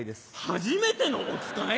『はじめてのおつかい』？